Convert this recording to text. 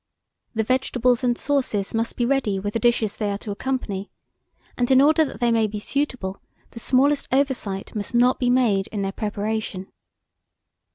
The vegetables and sauces must be ready with the dishes they are to accompany, and in order that they may be suitable, the smallest oversight must not be made in their preparation.